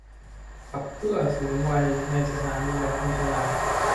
กับเพื่อสูงวัยในสถานดูแลคนชรา